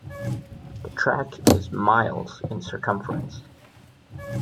The track is miles in circumference.